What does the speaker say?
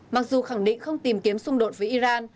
mặc dù khẳng định không tìm kiếm xung đột với iran